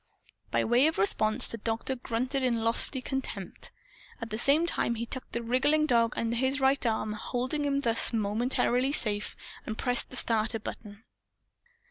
By way of response the Doctor grunted in lofty contempt. At the same time he tucked the wriggling dog under his right arm, holding him thus momentarily safe, and pressed the self starter button.